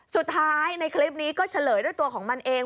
สุดท้ายในคลิปนี้ก็เฉลยด้วยตัวของมันเอง